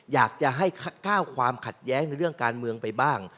อยากจะให้ก้าวความขัดแย้งในเรื่องการเมืองไปบ้าง